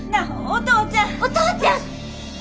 お父ちゃん！